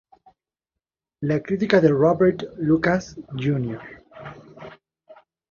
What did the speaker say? La crítica de Robert Lucas Jr.